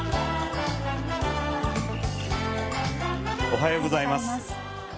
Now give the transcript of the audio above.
おはようございます。